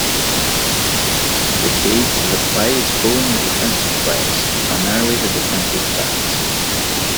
The key to the play is fooling the defensive players, primarily the defensive backs.